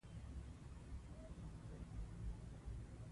هغه نظام چې ولسي نه وي دوام نه لري